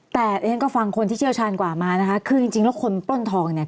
แต่เรียนก็ฟังคนที่เชี่ยวชาญกว่ามานะคะคือจริงจริงแล้วคนปล้นทองเนี่ย